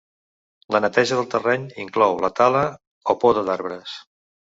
La neteja del terreny inclou la tala o poda d'arbres.